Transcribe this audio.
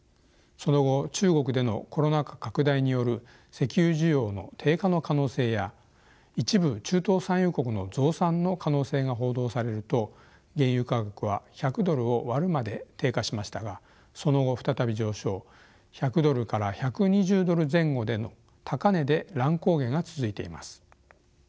その後中国でのコロナ禍拡大による石油需要の低下の可能性や一部中東産油国の増産の可能性が報道されると原油価格は１００ドルを割るまで低下しましたがその後再び上昇１００ドルから１２０ドル前後での高値で乱高下が続いています。